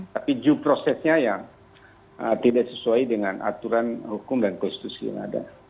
tapi due processnya yang tidak sesuai dengan aturan hukum dan konstitusi yang ada